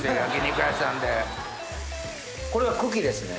これが茎ですね？